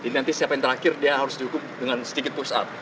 ini nanti siapa yang terakhir dia harus cukup dengan sedikit push up